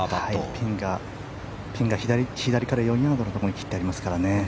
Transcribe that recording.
ピンが左から４ヤードのところに切ってありますからね。